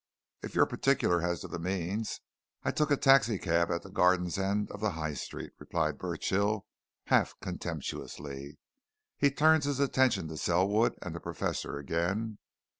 "If you're particular as to the means, I took a taxi cab at the Gardens end of the High Street," replied Burchill, half contemptuously. He turned his attention to Selwood and the Professor again.